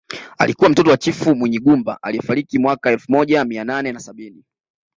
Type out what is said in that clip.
Alikuwa mtoto wa chifu Munyigumba aliyefariki mwaka elfu moja mia nane na sabini